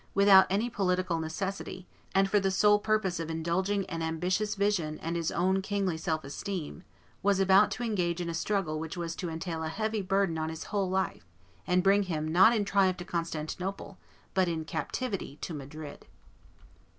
without any political necessity, and for the sole purpose of indulging an ambitious vision and his own kingly self esteem, was about to engage in a struggle which was to entail a heavy burden on his whole life, and bring him not in triumph to Constantinople, but in captivity to Madrid.